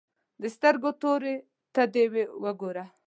د سترګو تورې ته دې وګوره.